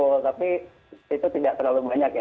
betul tapi itu tidak terlalu banyak ya